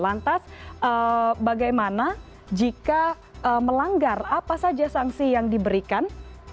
lantas bagaimana jika melanggar apa saja sanksi yang diberikan